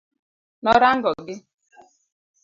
Norango gi.